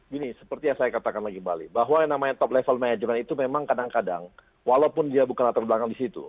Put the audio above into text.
gini seperti yang saya katakan lagi bali bahwa yang namanya top level management itu memang kadang kadang walaupun dia bukan latar belakang di situ